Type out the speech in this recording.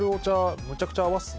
めちゃくちゃ泡っすね